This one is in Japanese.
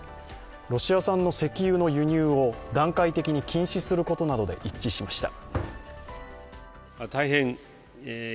ロシア産の石油の輸入を段階的に禁止することなどで一致しました。